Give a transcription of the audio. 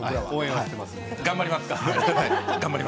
頑張ります。